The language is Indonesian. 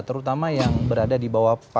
terutama yang berada di bawah